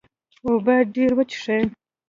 اوبه ډیرې وڅښئ